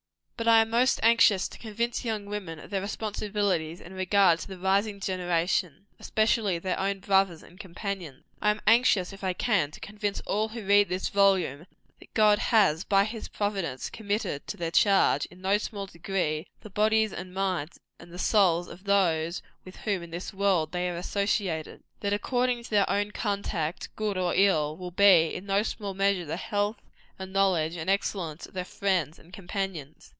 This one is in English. But I am most anxious to convince young women of their responsibilities in regard to the rising generation, especially their own brothers and companions. I am anxious, if I can, to convince all who read this volume, that God has, by his providence, committed to their charge, in no small degree, the bodies, and minds, and the souls of those with whom, in this world, they are associated. That according to their own conduct, good or ill, will be, in no small measure, the health, and knowledge, and excellence of their friends and companions.